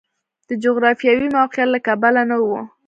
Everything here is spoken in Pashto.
د جغرافیوي موقعیت له کبله نه و.